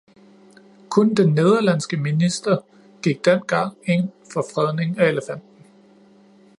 Kun den nederlandske minister gik dengang ind for fredning af elefanten.